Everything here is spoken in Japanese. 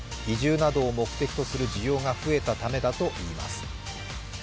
移住などを目的とする需要が増えたためだといいます。